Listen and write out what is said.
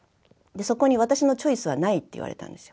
そこに私のチョイスはないって言われたんですよ。